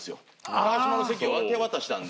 「川島」の席を明け渡したんで。